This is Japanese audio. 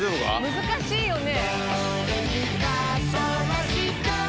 難しいよね。